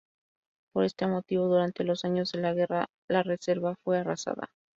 Por este motivo, durante los años de la guerra la reserva fue arrasada.